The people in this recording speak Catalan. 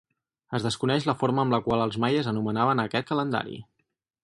Es desconeix la forma amb la qual els maies anomenaven a aquest calendari.